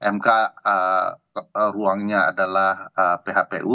mk ruangnya adalah phpu